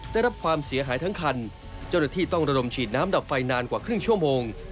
ได้รับความเสียหายทั้งคันเจ้าหน้าที่ต้องระดมฉีดน้ำดับไฟนานกว่าครึ่งชั่วโมง